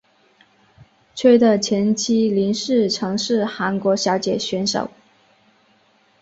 崔的前妻林氏曾是韩国小姐选手。